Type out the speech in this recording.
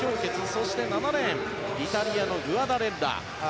そして７レーンイタリアのクアダレッラ。